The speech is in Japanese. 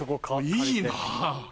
いいなぁ。